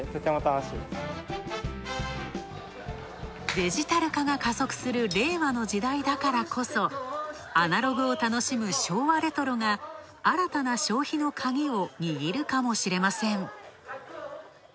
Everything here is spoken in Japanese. デジタル化が加速する令和の時代だからこそ、アナログを楽しむ昭和レトロが新たな消費のカギを握るかもしれません。